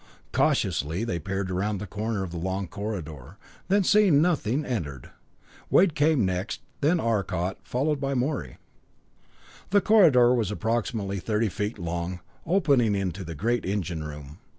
Cautiously they peered around the corner of the long corridor, then seeing nothing, entered. Wade came next, then Arcot, followed by Morey. The corridor was approximately thirty feet long, opening into the great engine room.